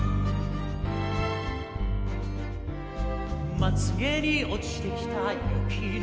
「まつげに落ちてきた雪のかけら」